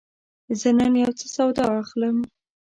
زه نن یوڅه سودا اخلم.